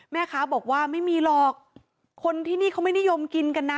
แม่ค้าบอกว่าไม่มีหรอกคนที่นี่เขาไม่นิยมกินกันนะ